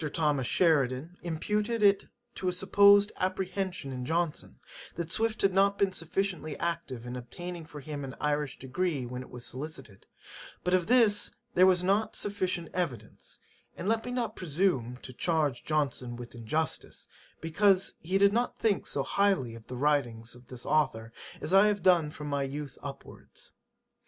Thomas Sheridan imputed it to a supposed apprehension in Johnson, that Swift had not been sufficiently active in obtaining for him an Irish degree when it was solicited, but of this there was not sufficient evidence; and let me not presume to charge Johnson with injustice, because he did not think so highly of the writings of this authour, as I have done from my youth upwards.